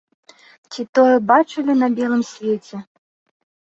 Ці тое бачылі на белым свеце!